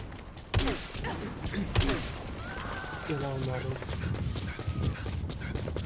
She also trained in opera and jazz and performed in a gospel choir.